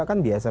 itu yang biasa